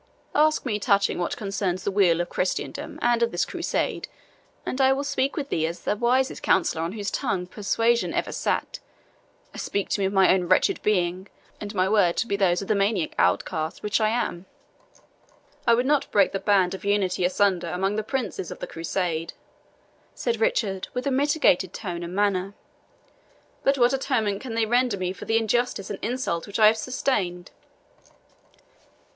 Ask me touching what concerns the weal of Christendom, and of this Crusade, and I will speak with thee as the wisest counsellor on whose tongue persuasion ever sat. Speak to me of my own wretched being, and my words shall be those of the maniac outcast which I am." "I would not break the bands of unity asunder among the princes of the Crusade," said Richard, with a mitigated tone and manner; "but what atonement can they render me for the injustice and insult which I have sustained?"